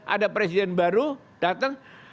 ada presiden baru datang